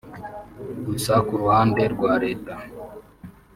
Gusa ku ruhande rwa Lt